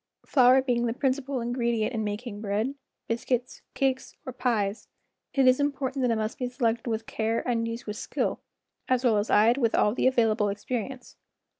Flour being the principal ingredient in making bread, biscuits, cakes, or pies, it is important that it must be selected with care and used with skill as well as eyed with all the available experience.